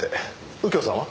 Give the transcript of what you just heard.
右京さんは？